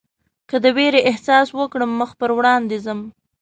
که د وېرې احساس وکړم مخ پر وړاندې ځم.